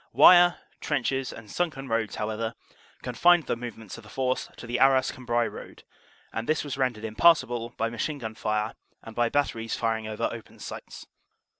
Wire, trenches and sunken roads, however, confined the movements of the force to the Arras Cambrai road; and this was rendered impassable by machine gun fire and by bat teries firing over open sights.